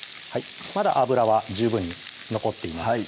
まだ油は十分に残っています